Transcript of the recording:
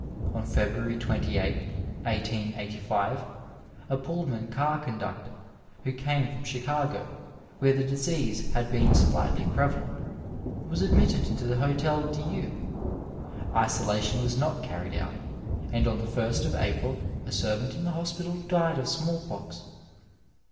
On February 28, 1885, a PoUman car conductor, who came from Chicago, where the disease had been slightly prevalent, was ad mitted into the Hdtel Dieu. Isolation was not carried out, and on the 1st of April a servant in the hospital died of small pox.